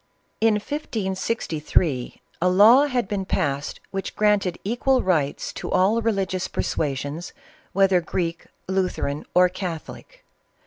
In 1563 a law had been passed which granted equal rights to all religious persuasions, whether Greek, Lu theran, or Catholic.